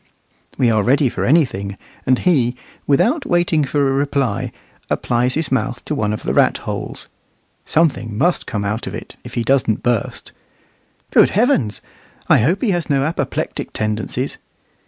We are ready for anything; and he, without waiting for a reply, applies his mouth to one of the ratholes. Something must come of it, if he doesn't burst. Good heavens! I hope he has no apoplectic tendencies.